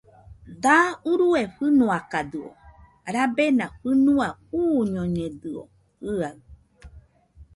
Da urue fɨnoakadɨo, rabena fɨnua uñoiakañedɨo jɨaɨ